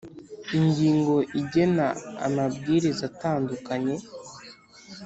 Ingingo igena aya mabwiriza atandukanye